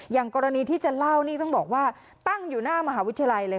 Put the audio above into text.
อย่างกรณีที่จะเล่านี่ต้องบอกว่าตั้งอยู่หน้ามหาวิทยาลัยเลย